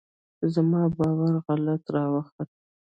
زما باور غلط راوخوت.